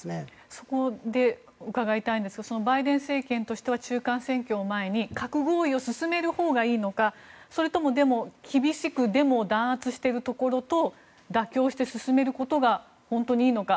そこで伺いたいんですがバイデン政権としては中間選挙を前に核合意を進めるほうがいいのかそれとも厳しくデモを弾圧しているところと妥協して進めることが本当にいいのか。